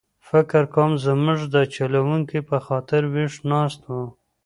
فکر کووم زموږ د چلوونکي په خاطر ویښ ناست و.